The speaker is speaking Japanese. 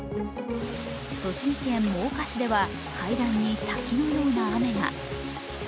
栃木県真岡市では階段に滝のような雨が。